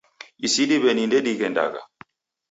Isi diw'eni ndedighendagha